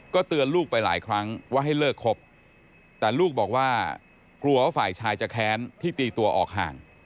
เตือนลูกไปหลายครั้งว่าให้เลิกครบแต่ลูกบอกว่ากลัวว่าฝ่ายชายจะแค้นที่ตีตัวออกห่าง